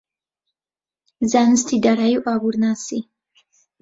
زانستی دارایی و ئابوورناسی